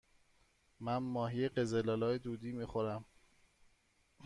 من ماهی قزل آلا دودی می خورم.